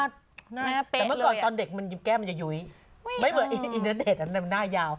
แต่เมื่อก่อนตอนเด็กมันแก้มมันจะยุ้ยไม่เหมือนอินเตอร์เน็ตมันหน้ายาว